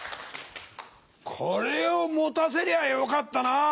これを持たせりゃよかったなぁ。